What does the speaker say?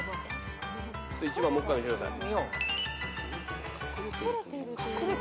１番もう１回見せてください。